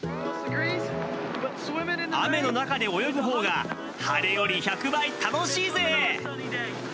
雨の中で泳ぐほうが晴れより１００倍楽しいぜ。